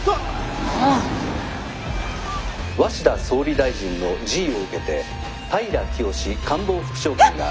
「鷲田総理大臣の辞意を受けて平清志官房副長官が」。